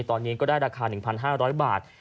ตอนนี้ก็ได้ราคา๑๕๐๐บาท